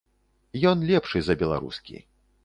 Ён лепшы за беларускі.